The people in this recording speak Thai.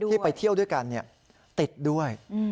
ที่ไปเที่ยวด้วยกันเนี่ยติดด้วย